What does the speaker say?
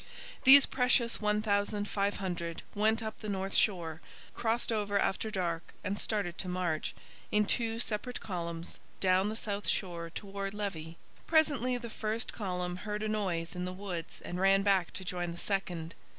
These precious 1,500 went up the north shore, crossed over after dark, and started to march, in two separate columns, down the south shore towards Levis. Presently the first column heard a noise in the woods and ran back to join the second.